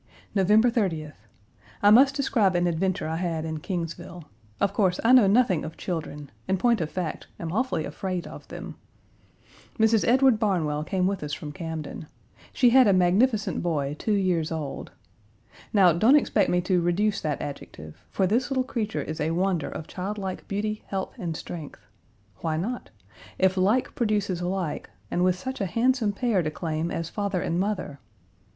November 30th. I must describe an adventure I had in Kingsville. Of course, I know nothing of children: in point of fact, am awfully afraid of them. Mrs. Edward Barnwell came with us from Camden. She had a magnificent boy two years old. Now don't expect me to reduce that adjective, for this little creature is a wonder of childlike beauty, health, and strength. Why not? If like produces like, and with such a handsome pair to claim as father and mother!